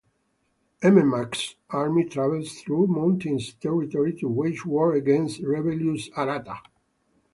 Enmerkar's army travels through mountainous territory to wage war against rebellious Aratta.